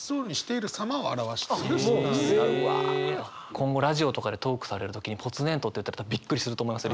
今後ラジオとかでトークされる時に「ぽつねんと」って言ったら多分びっくりすると思いますよ